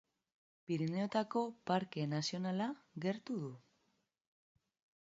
Pirinioetako Parke Nazionala gertu du.